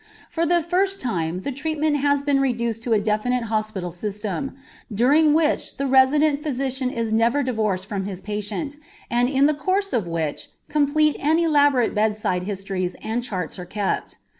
For the first time the treatment has been reduced to a definite hospital system, during which the resident physician is never divorced from his patient, and in the course of which complete and elaborate bedside histories and charts are kept.